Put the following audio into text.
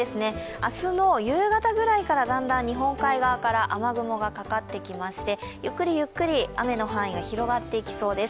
明日の夕方ぐらいからだんだん、日本海側から雨雲がかかってきましてゆっくりゆっくり雨の範囲が広がっていきそうです。